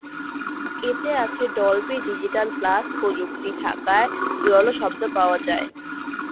এতে আছে Dolby Digital Plus প্রযুক্তি থাকায় জোরালো শব্দ পাওয়া যায়।